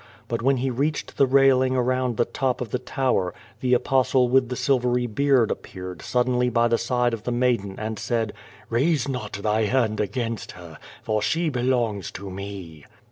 But when he reached tlie railing around the top of the tower, tlie Apostle with the silvery beard appeared sud denly by the side of the maiden, and said: "Raise not thy hand against her, for she belongs to me."